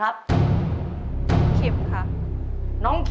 อีสี่ใบทุกนัก